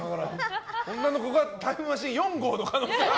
女の子がタイムマシーン４号の可能性が。